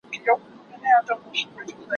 هغه زر زر جملې خو پاته سوې!.